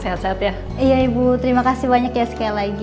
sehat sehat ya iya ibu terima kasih banyak ya sekali lagi